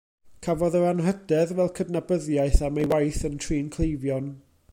Cafodd yr anrhydedd fel cydnabyddiaeth am ei waith yn trin cleifion.